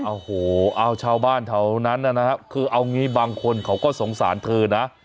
โอ้โหเอาชาวบ้านแถวนั้นนะครับคือเอางี้บางคนเขาก็สงสารเธอนะ